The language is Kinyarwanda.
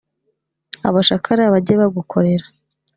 abacakara bajye bagukorera.